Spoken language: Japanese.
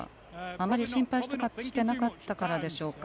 あまり心配をしていなかったからでしょうか。